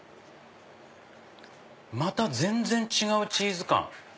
また全然違うチーズ感。